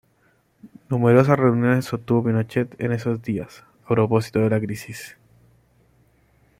Numerosas reuniones sostuvo Pinochet en esos días, a propósito de la crisis.